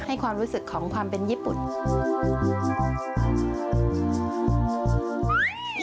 ความรู้สึกของความเป็นญี่ปุ่น